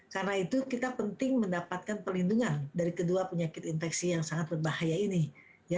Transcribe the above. karena itu kita penting mendapatkan pelindungan dari kedua penyakit infeksi yang sangat berbahaya ini ya